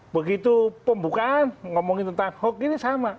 begitu pembukaan ngomongin tentang hoax ini sama